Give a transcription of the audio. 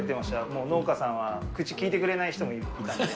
もう農家さんは口きいてくれない人もいたんで。